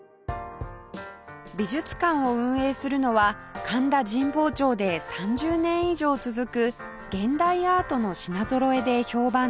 美術館を運営するのは神田神保町で３０年以上続く現代アートの品ぞろえで評判高い画廊